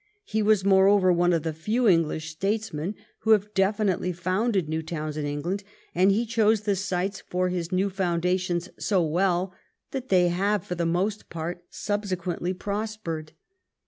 He was, moreover, one of the few English statesmen who have definitely founded new towns in England, and he chose the sites for his new foundations so well that they have for the most part subsequently prospered.